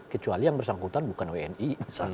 kecuali yang bersangkutan bukan wni